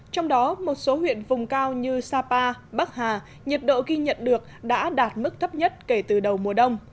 trong đó một số huyện vùng cao như sapa bắc hà nhiệt độ ghi nhận được đã đạt mức thấp nhất kể từ đầu mùa đông